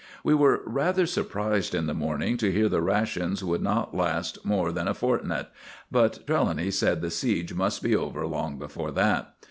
We were rather surprised in the morning to hear the rations would not last more than a fortnight, but Trelawny said the siege must be over long before that.